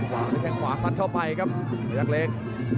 วางได้แค่ขวาสัดเข้าไปครับพระยักษ์เล็ก